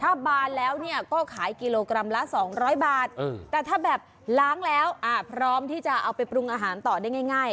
ถ้าบานแล้วเนี่ยก็ขายกิโลกรัมละ๒๐๐บาทแต่ถ้าแบบล้างแล้วพร้อมที่จะเอาไปปรุงอาหารต่อได้ง่าย